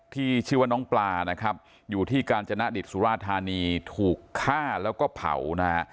ที่ชื่อว่าน้องปลานะครับอยู่ที่กาญจนดิตสุราธานีถูกฆ่าแล้วก็เผานะฮะ